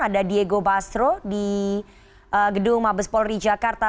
ada diego basro di gedung mabes polri jakarta